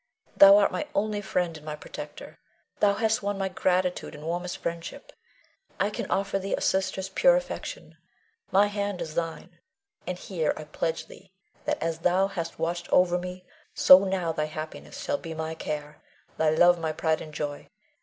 Thou art my only friend and my protector; thou hast won my gratitude and warmest friendship. I can offer thee a sister's pure affection, my hand is thine; and here I pledge thee that as thou hast watched o'er me, so now thy happiness shall be my care, thy love my pride and joy.